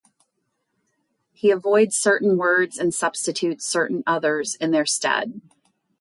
He avoids certain words and substitutes certain others in their stead.